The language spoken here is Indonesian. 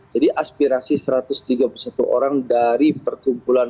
jadi aspirasi satu ratus tiga puluh satu orang dari pertumpulan